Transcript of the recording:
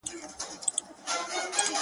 سیلۍ نامردي ورانوي آباد کورونه-